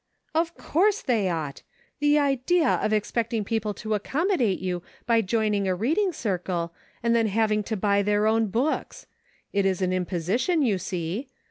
" Of course they ought ! The idea of expecting people to accommodate you by joining a reading circle, and then having to buy their own books ! It is an imposition, you see.